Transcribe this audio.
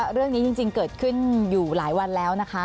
เรื่องนี้จริงเกิดขึ้นอยู่หลายวันแล้วนะคะ